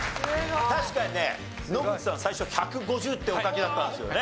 確かにね野口さん最初１５０ってお書きだったんですよね。